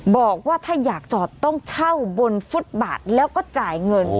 บอกว่าถ้าอยากจอดต้องเช่าบนฟุตบาทแล้วก็จ่ายเงิน